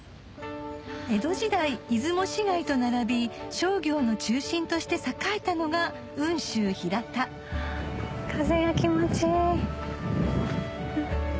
江戸時代出雲市街と並び商業の中心として栄えたのが風が気持ちいい。